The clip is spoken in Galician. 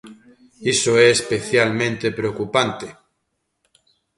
Iso é especialmente preocupante.